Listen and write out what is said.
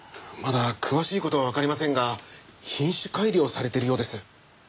まだ詳しい事はわかりませんが品種改良されてるようです。